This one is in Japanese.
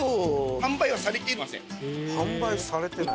販売されてない。